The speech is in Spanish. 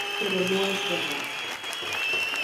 Pero no es verdad.